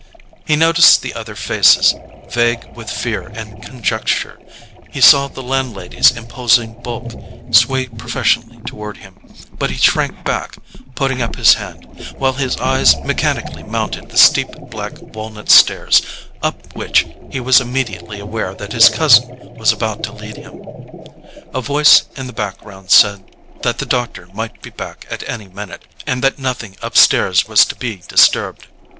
He noticed the other faces, vague with fear and conjecture—he saw the landlady's imposing bulk sway professionally toward him; but he shrank back, putting up his hand, while his eyes mechanically mounted the steep black walnut stairs, up which he was immediately aware that his cousin was about to lead him. A voice in the background said that the doctor might be back at any minute—and that nothing, upstairs, was to be disturbed.